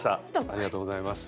ありがとうございます。